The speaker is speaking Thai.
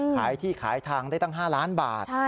ขายที่ขายทางได้ตั้ง๕ล้านบาท